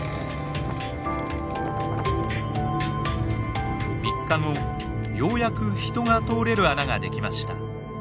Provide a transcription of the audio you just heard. ３日後ようやく人が通れる穴が出来ました。